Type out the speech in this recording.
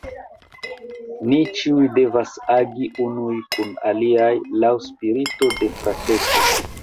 Ni ĉiuj devas agi unuj kun aliaj laŭ spirito de frateco.